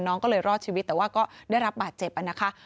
น้องก็เลยรอดชีวิตแต่ว่าก็ได้รับบาดเจ็บนะคะ